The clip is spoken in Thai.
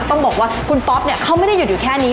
ต้องบอกว่าคุณป๊อปเนี่ยเขาไม่ได้หยุดอยู่แค่นี้